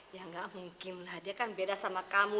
ya gak mungkin lah dia kan beda sama kamu